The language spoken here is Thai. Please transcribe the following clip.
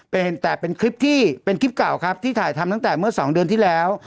เป็นแต่เป็นคลิปที่เป็นคลิปเก่าครับที่ถ่ายทำตั้งแต่เมื่อสองเดือนที่แล้ว